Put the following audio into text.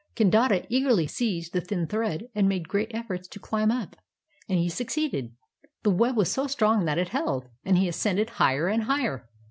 Kandata eagerly seized the thin thread and made great efforts to climb up. And he succeeded. The web was so strong that it held, and he ascended higher and higher.